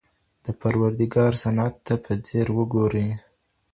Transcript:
د پروردګار صنعت ته په ځير وګورئ.